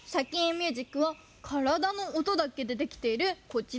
ミュージック」はからだの音だけでできているこちらのきょく！